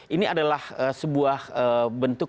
ini adalah sebuah bentuk